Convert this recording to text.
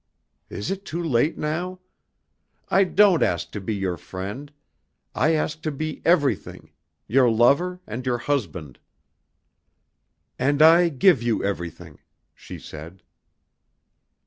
Is it too late now? I don't ask to be your friend, I ask to be everything your lover, and your husband." "And I give you everything," she said.